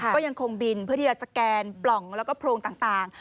ก็ยังคงบินเพื่อที่จะสแกนปล่องแล้วก็โพรงต่าง